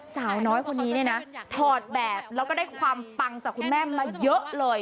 สาวน้อยคนนี้เนี่ยนะถอดแบบแล้วก็ได้ความปังจากคุณแม่มาเยอะเลย